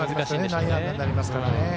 内野安打になりますからね。